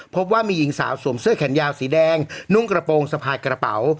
พบว่ามีหญิงสาวสวมเสื้อแขนยาวสีแดงนุ่งกระโปรงสะพายกระเป๋า